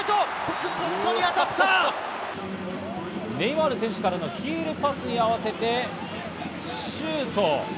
ネイマール選手からのヒールパスに合わせてシュート！